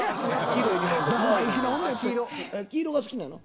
黄色が好きなの？